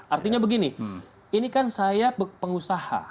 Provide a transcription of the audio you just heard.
artinya begini ini kan saya pengusaha